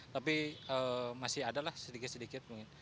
tapi masih ada lah sedikit sedikit mungkin